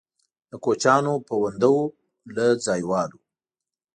له کوچیانو پونده وو له ځایوالو.